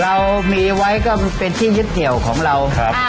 เรามีไว้ก็เป็นที่ยิดเดี่ยวของเรา